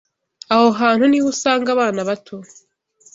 Aho hantu ni ho usanga abana bato